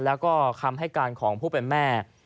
แล้วก็คำให้การของผู้เป็นแม่